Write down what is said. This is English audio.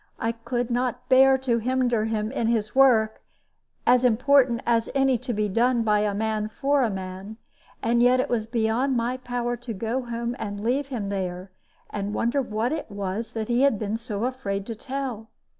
I could not bear to hinder him in his work as important as any to be done by man for man and yet it was beyond my power to go home and leave him there, and wonder what it was that he had been so afraid to tell.